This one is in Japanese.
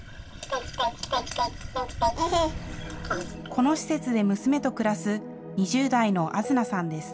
この施設で娘と暮らす２０代のあづなさんです。